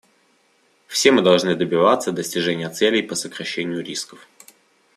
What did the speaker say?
Все мы должны добиваться достижения целей по сокращению рисков.